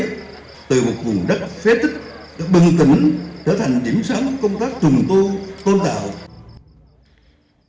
từ một vùng đất phê tích bừng tỉnh trở thành điểm sáng công tác tùm tu tôn tạo